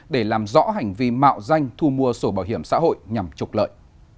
để làm rõ hành vi mạo danh thu mua sổ bảo hiểm xã hội nhằm trục lợi